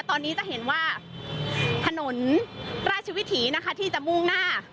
ตอนนี้จะเห็นว่าถนนราชวิถีนะคะที่จะมุ่งหน้า